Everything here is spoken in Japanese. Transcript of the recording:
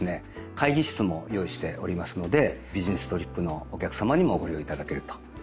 会議室も用意しておりますのでビジネストリップのお客さまにもご利用いただけると。